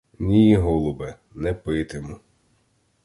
Ні, голубе, не питиму.